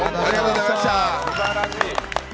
すばらしい。